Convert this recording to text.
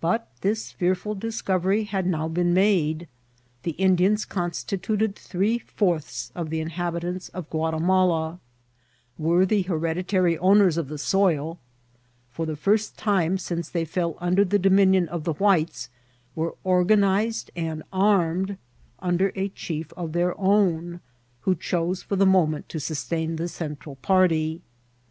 But this fearful dkcovery had now been made* The Indians constitu* ted three fourths of the inhabitants of Guatimala ; wera the hereditary owners of the soil ; for the first time since they fell under the dominion of the whites, were organ ized and armed under a chief of their own, who chose for the moment to sustain the Central party.